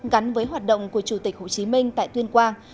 gắn với hoạt động của chủ tịch hồ chí minh tại tuyên quang